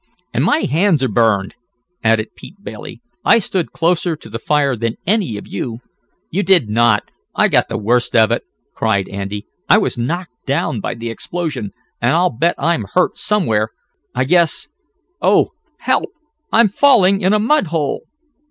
"And my hands are burned," added Pete Bailey. "I stood closer to the fire than any of you." "You did not! I got the worst of it!" cried Andy. "I was knocked down by the explosion, and I'll bet I'm hurt somewhere. I guess Oh! Help! I'm falling in a mud hole!"